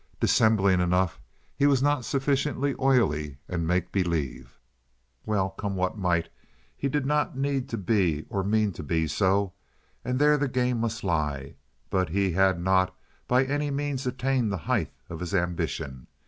Dissembling enough, he was not sufficiently oily and make believe. Well, come what might, he did not need to be or mean to be so, and there the game must lie; but he had not by any means attained the height of his ambition.